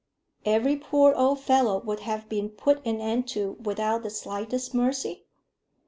"Every poor old fellow would have been put an end to without the slightest mercy?"